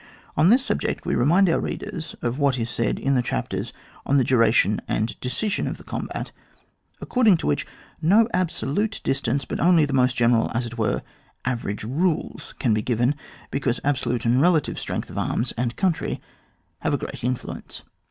On this subject we remind our readers of what is said in the chap ters on the duration and decision of the combat, according to which no absolute distance, but only the most general, as it were, average rules can be given, because absolute and relative strength of arms and country have a great in fiuence.